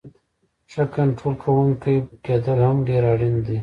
ښه کنټرول کوونکی کیدل هم ډیر اړین دی.